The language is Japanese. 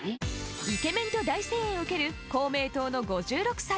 イケメンと大声援を受ける公明党の５６歳。